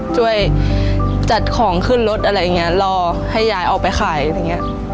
ช่วยจัดของขึ้นรถอะไรอย่างเงี้ยรอให้ยายออกไปขายอะไรอย่างเงี้ย